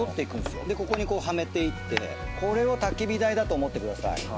でここにこうはめていってこれをたき火台だと思ってください。